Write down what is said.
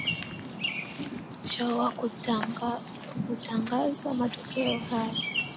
sho wa kutangazwa matokeo haya